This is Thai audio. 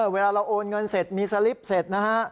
เวลาเราโอนเงินเสร็จมีสลิปเสร็จนะฮะ